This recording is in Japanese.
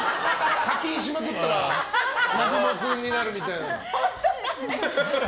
課金しまくったら南雲君になるみたいな。